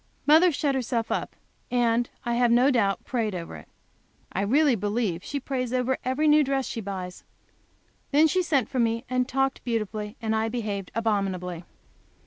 Mother shut herself up, and I have no doubt prayed over it. I really believe she prays over every new dress she buys. Then she sent for me and talked beautifully, and I behaved abominably.